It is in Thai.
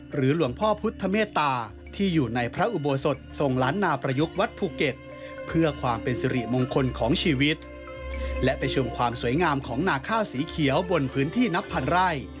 หลวงหนาข้าวสีเขียวบนพื้นที่นับพันไร